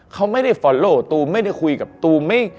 เขาไม่ได้ฟอลโลตูมไม่ได้คุยกับตูม